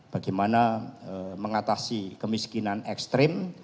bagaimana mengatasi kemiskinan ekstrim